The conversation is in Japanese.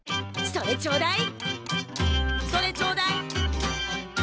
それちょうだい。